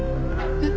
えっ！？